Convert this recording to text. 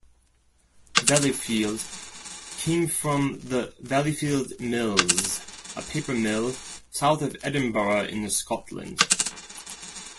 "Valleyfield" came from the Valleyfield Mills, a paper mill south of Edinburgh in Scotland.